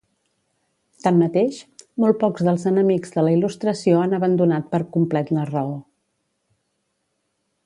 Tanmateix, molt pocs dels enemics de la Il·lustració han abandonat per complet la raó.